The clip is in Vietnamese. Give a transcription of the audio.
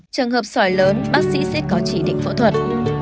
trường hợp sỏi lớn bác sĩ sẽ có chỉ định phẫu thuật